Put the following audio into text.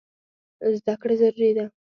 زده کړه ضروري ده.